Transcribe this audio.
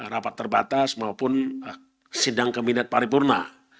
rapat terbatas maupun sidang kabinet paripurna